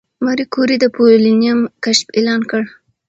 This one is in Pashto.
ماري کوري د پولونیم کشف اعلان کړ.